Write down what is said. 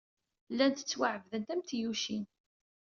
Llant ttwaɛebdent am tyucin.